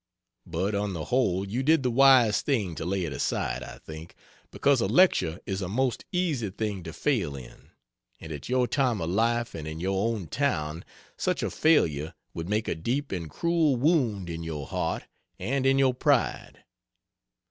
But on the whole you did the wise thing to lay it aside, I think, because a lecture is a most easy thing to fail in; and at your time of life, and in your own town, such a failure would make a deep and cruel wound in your heart and in your pride.